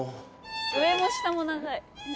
上も下も長い。